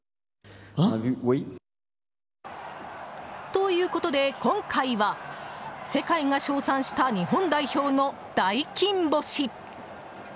ということで今回は世界が称賛した日本代表の大金星！